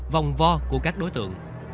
vòng vo của các đối tượng